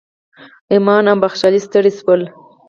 امان او بخشالۍ ستړي شوي ول.